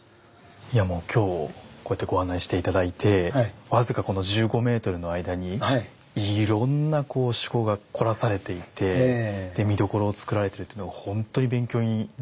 いやもう今日こうやってご案内して頂いて僅かこの１５メートルの間にいろんなこう趣向が凝らされていて見どころを作られているというのが本当に勉強になりました。